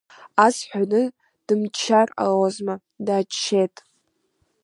Ас ҳәаны дмыччар ҟалозма, дааччеит.